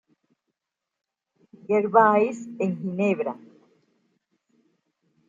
Gervais en Ginebra.